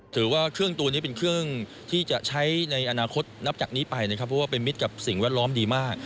ถือว่าเครื่องตัวนี้เป็นเครื่องที่จะใช้ในอนาคตนับจากนี้ไปนะครับเพราะว่าเป็นมิตรกับสิ่งแวดล้อมดีมาก